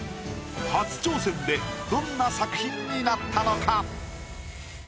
初挑戦でどんな作品になったのか？